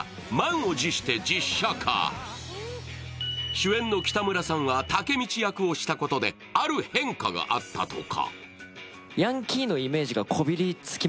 主演の北村さんはタケミチ役をしたことで、ある変化があったとか。